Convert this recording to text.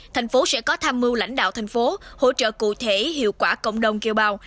thành phố sẽ có tham mưu lãnh đạo thành phố hỗ trợ cụ thể hiệu quả cộng đồng kiều bào